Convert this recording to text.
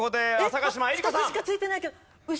２つしかついてないけど。